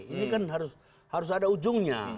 ini kan harus ada ujungnya